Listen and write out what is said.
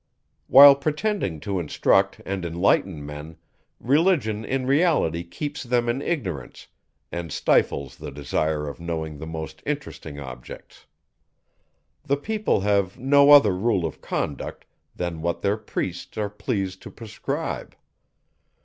While pretending to instruct and enlighten men, Religion in reality keeps them in ignorance, and stifles the desire of knowing the most interesting objects. The people have no other rule of conduct, than what their priests are pleased to prescribe.